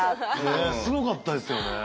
ねえすごかったですよね。